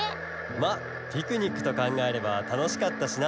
まあピクニックとかんがえればたのしかったしな。